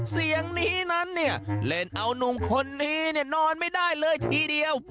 เสียงนี้นั้นเนี่ยเล่นเอานุ่มคนนี้เนี่ยนอนไม่ได้เลยทีเดียว